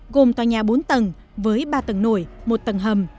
gồm tòa nhà bốn tầng với ba tầng nổi một tầng hầm